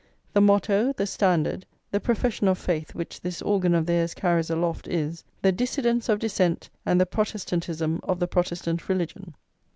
The motto, the standard, the profession of faith which this organ of theirs carries aloft, is: "The Dissidence of Dissent and the Protestantism of the Protestant religion."